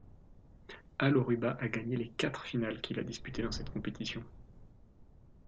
Al Oruba a gagné les quatre finales qu'il a disputées dans cette compétition.